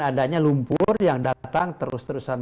adanya lumpur yang datang terus terusan